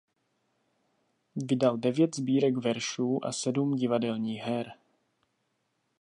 Vydal devět sbírek veršů a sedm divadelních her.